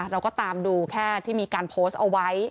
เราก็ตามดูแค่ที่มีการโพสต์เอาไว้